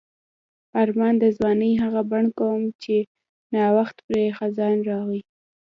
آرمان د ځوانۍ د هغه بڼ کوم چې نا وخت پرې خزان راغی.